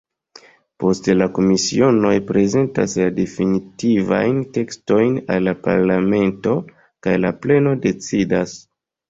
Poste la komisionoj prezentas la definitivajn tekstojn al la parlamento, kaj la pleno decidas.